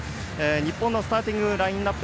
日本スターティングラインアップ。